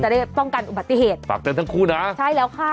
ได้ป้องกันอุบัติเหตุฝากเตือนทั้งคู่นะใช่แล้วค่ะ